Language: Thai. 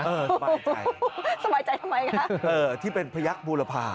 สบายใจสบายใจทำไมคะที่เป็นพยักษ์บูรพา